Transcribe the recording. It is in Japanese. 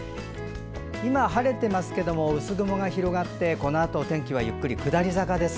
今、晴れていますけど薄雲が広がってこのあと天気はゆっくり下り坂です。